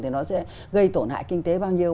thì nó sẽ gây tổn hại kinh tế bao nhiêu